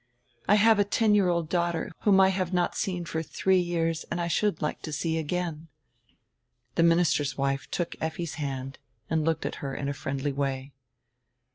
I have a ten year old daughter whom I have not seen for three years and should like to see again." The minister's wife took Effi's hand and looked at her in a friendly way.